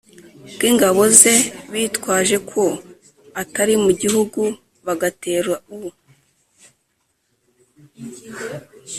bw'ingabo ze bitwaje ko atari mu gihugu bagatera u